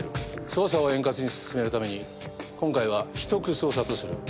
捜査を円滑に進めるために今回は秘匿捜査とする。